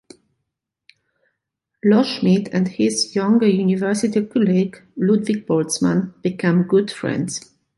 Loschmidt and his younger university colleague Ludwig Boltzmann became good friends.